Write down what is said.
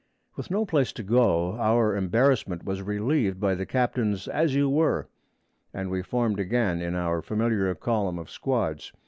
With no place to go, our embarrassment was relieved by the captain's 'As you were,' and we formed again in our familiar column of squads.